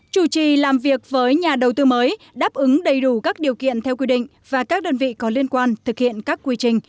chủ trì làm việc với nhà đầu tư mới đáp ứng đầy đủ các điều kiện theo quy định và các đơn vị có liên quan thực hiện các quy trình